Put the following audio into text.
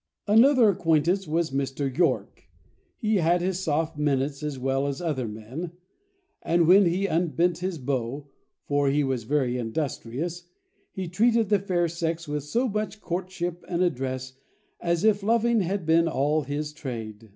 "Another acquaintance was Mr. York. He had his soft minutes as well as other men; and when he unbent his bow, (for he was very industrious,) he treated the fair sex with so much courtship and address, as if loving had been all his trade.